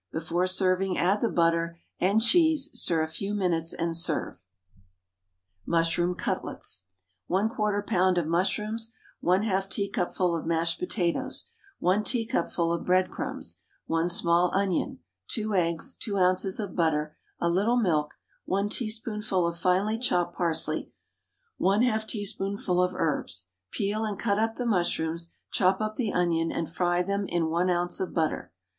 Before serving add the butter and cheese, stir a few minutes, and serve. MUSHROOM CUTLETS. 1/4 lb. of mushrooms, 1/2 teacupful of mashed potatoes, 1 teacupful of breadcrumbs, 1 small onion, 2 eggs, 2 oz. of butter, a little milk, 1 teaspoonful of finely chopped parsley, 1/2 teaspoonful of herbs. Peel and cut up the mushrooms, chop up the onion, and fry them in 1 oz. of butter.